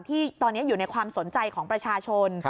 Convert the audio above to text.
ที่ตอนนี้อยู่ในความสนใจของประชาชน